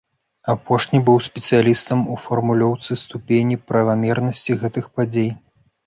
Апошні быў спецыялістам у фармулёўцы ступені правамернасці гэтых падзей.